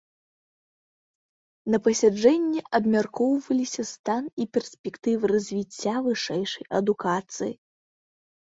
На пасяджэнні абмяркоўваліся стан і перспектывы развіцця вышэйшай адукацыі.